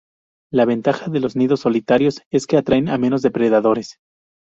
La ventaja de los nidos solitarios es que atraen a menos depredadores.